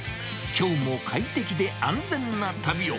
きょうも快適で安全な旅を。